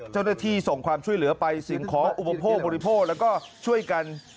เจ้าหน้าที่ส่งความช่วยเหลือไปสิ่งของอุปโภคบริโภคแล้วก็ช่วยกัน